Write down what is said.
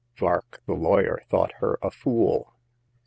Vark, the lawyer, thought her a fool.